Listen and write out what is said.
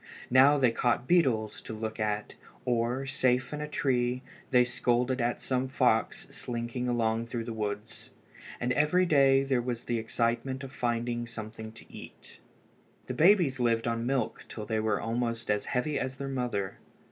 Now they caught beetles to look at, or, safe in a tree, they scolded at some fox slinking along through the woods. And every day there was the excitement of finding something to eat. The babies lived on milk till they were almost as heavy as their mother.